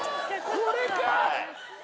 これか！